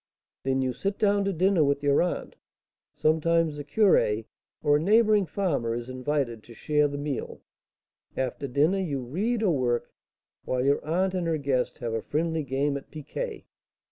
Then you sit down to dinner with your aunt; sometimes the curé, or a neighbouring farmer, is invited to share the meal. After dinner you read or work, while your aunt and her guest have a friendly game at piquet.